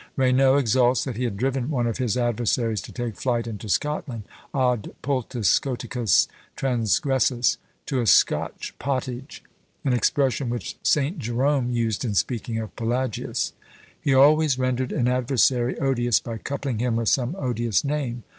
Raynaud exults that he had driven one of his adversaries to take flight into Scotland, ad pultes Scoticas transgressus to a Scotch pottage; an expression which Saint Jerome used in speaking of Pelagius. He always rendered an adversary odious by coupling him with some odious name.